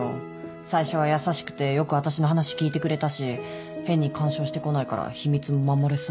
最初は優しくてよく私の話聞いてくれたし変に干渉してこないから秘密も守れそうだなって。